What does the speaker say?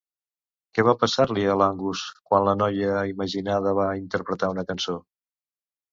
Què va passar-li a l'Angus quan la noia imaginada va interpretar una cançó?